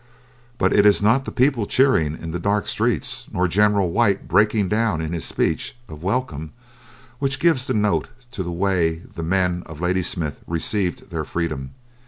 But it is not the people cheering in the dark streets, nor General White breaking down in his speech of welcome, which gives the note to the way the men of Ladysmith received their freedom.